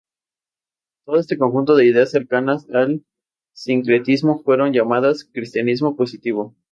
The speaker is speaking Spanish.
Todo este conjunto de ideas, cercanas al sincretismo fueron llamadas "Cristianismo positivo".